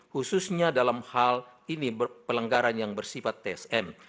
khususnya dalam hal ini pelanggaran yang bersifat tsm